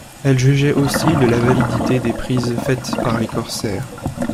Elle jugeait aussi de la validité des prises faites par les corsaires.